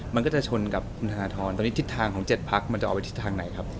มันก็จะชนกับคุณธนทรตอนนี้ทิศทางของ๗พักมันจะเอาไปทิศทางไหนครับ